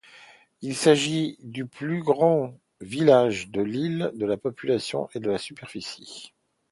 Il s'agit du plus grand village de l'île par la population et la superficie.